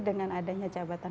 dengan adanya jabatan